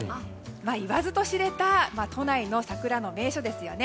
いわずと知れた都内の桜の名所ですよね。